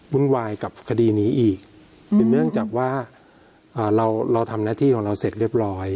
วุ่นวายกับคดีนี้อีกแต่เนื่องจากว่าเราทำหน้าที่ของเราเสร็จเรียบร้อย